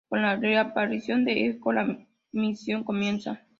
Con la reaparición de Eko, la misión comienza.